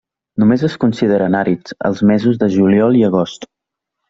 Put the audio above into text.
Només es consideren àrids els mesos de juliol i agost.